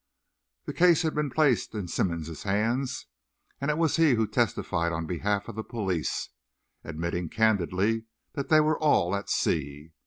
The case had been placed in Simmonds's hands, and it was he who testified on behalf of the police, admitting candidly that they were all at sea.